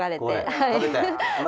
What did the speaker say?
はい。